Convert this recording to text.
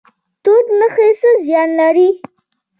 توت مخي څه زیان لري؟